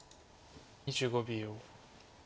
２５秒。